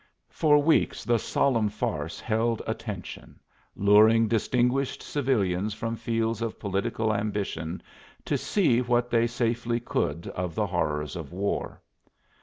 For weeks the solemn farce held attention, luring distinguished civilians from fields of political ambition to see what they safely could of the horrors of war.